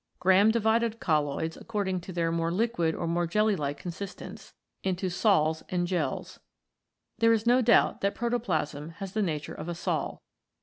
Graham divided colloids, according to their more liquid or more jelly like consistence, into Sols and Gels. There is no doubt that protoplasm has the nature of a sol.